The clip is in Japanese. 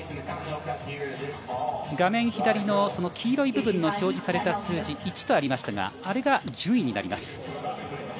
画面左の黄色い部分の表示された数字１とありましたがあれが順位になります。